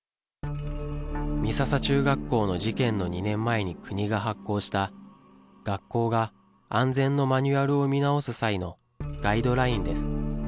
美笹中学校の事件の２年前に国が発行した学校が安全のマニュアルを見直す際のガイドラインです。